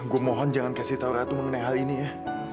gue mohon jangan kasih tau ratu mengenai hal ini ya